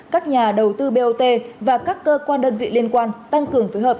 các nhà đầu tư bot và các cơ quan đơn vị liên quan tăng cường phối hợp